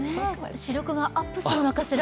視力がアップしたのかしら。